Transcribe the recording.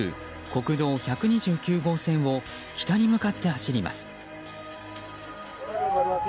国道１２９号線を北に向かって走ります。